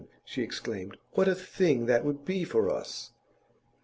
she exclaimed. 'What a thing that would be for us!